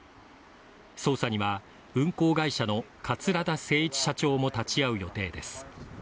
捜査には運航会社の桂田精一社長も立ち会う予定です。